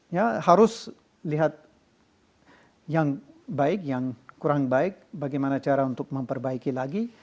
ya harus lihat yang baik yang kurang baik bagaimana cara untuk memperbaiki lagi